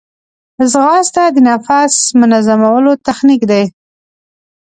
ځغاسته د نفس منظمولو تخنیک دی